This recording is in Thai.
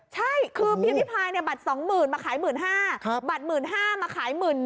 ใช่คือพิมพิพายเนี่ยบัตร๒๐๐๐๐มาขาย๑๕๐๐๐บัตร๑๕๐๐๐มาขาย๑๑๐๐๐